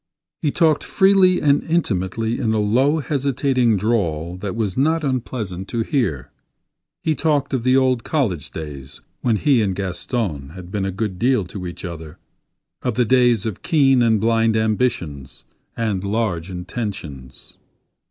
He talked freely and intimately in a low, hesitating drawl that was not unpleasant to hear. He talked of the old college days when he and Gaston had been a good deal to each other; of the days of keen and blind ambitions and large intentions.